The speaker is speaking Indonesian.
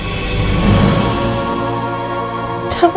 nino mengelamar gue